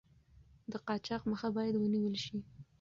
د قاچاق مخه باید ونیول شي.